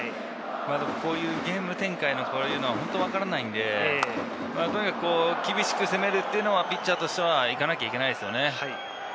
こういうゲーム展開は本当にわからないんで、とにかく厳しく攻めるというのはピッチャーとしてはいかなきゃいけないですよね。